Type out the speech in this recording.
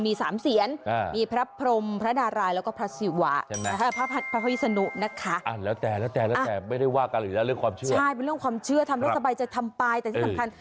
มีสามเซียน